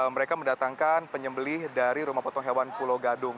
mereka mendatangkan penyembeli dari rumah potong hewan pulau gadung